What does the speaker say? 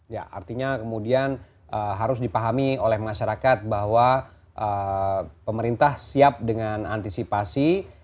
ya artinya kemudian harus dipahami oleh masyarakat bahwa pemerintah siap dengan antisipasi